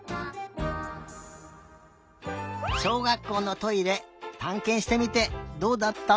しょうがっこうのトイレたんけんしてみてどうだった？